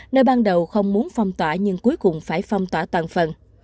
nơi ban đầu không muốn phong tỏa nhưng cuối cùng phải phong tỏa toàn phần